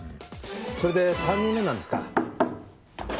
それで３人目なんですが。